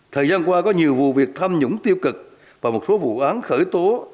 thời gian qua có nhiều vụ việc tham nhũng tiêu cực và một số vụ án khởi tố